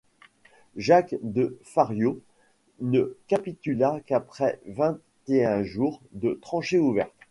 Jacques de Fariaux ne capitula qu'après vingt-et-un jours de tranchée ouverte.